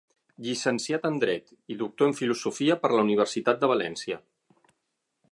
Llicenciat en dret i doctor en filosofia per la Universitat de València.